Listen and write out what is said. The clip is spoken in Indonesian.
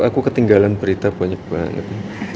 aku ketinggalan berita banyak banget